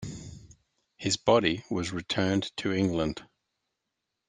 His body was returned to England.